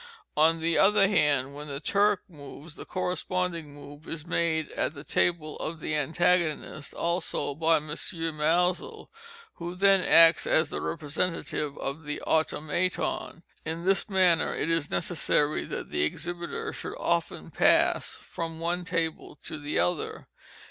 On the other hand, when the Turk moves, the corresponding move is made at the table of the antagonist, also by M. Maelzel, who then acts as the representative of the Automaton. In this manner it is necessary that the exhibiter should often pass from one table to the other.